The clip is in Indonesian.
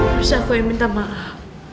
harusnya aku yang minta maaf